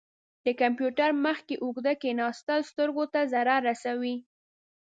د کمپیوټر مخ کې اوږده کښیناستل سترګو ته ضرر رسوي.